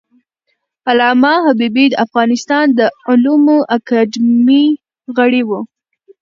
علامه حبیبي د افغانستان د علومو اکاډمۍ غړی و.